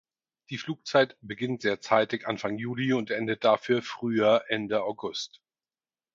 Die Flugzeit beginnt sehr zeitig Anfang Juli und endet dafür früher Ende August.